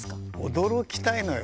驚きたいのよ。